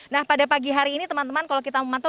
nah pada pagi hari ini teman teman kalau kita memantau